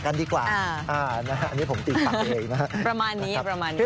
กันดีกว่าอ่าอันนี้ผมติดตัวเองนะฮะประมาณนี้ประมาณนี้